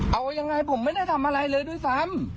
เอายังไงผมไม่ได้ทำอะไรเลยด้วยซ้ำ